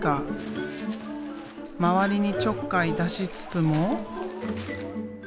周りにちょっかい出しつつも。